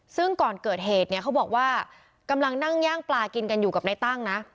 ซึ่งก่อนเกิดเหตุเนี่ยเขาบอกว่ากำลังนั่งย่างปลากินกันอยู่กับนายตั้งนะ